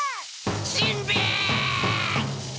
しんべヱ！